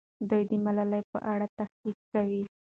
دوی د ملالۍ په اړه تحقیق کوي.